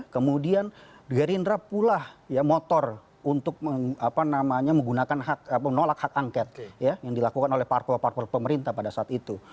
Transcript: kemudian gerindra pula motor untuk menolak hak angket yang dilakukan oleh parpol parpol pemerintah pada saat itu